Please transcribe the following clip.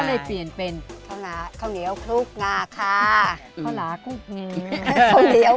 ก็เลยเปลี่ยนเป็นข้าวเหนียวคลุกงาค่ะข้าวหลากลุกงา